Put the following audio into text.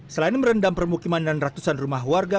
selain merendam permukiman dan ratusan rumah warga